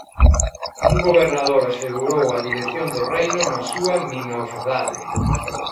Un gobernador asegurou a dirección do reino na súa minorfdade.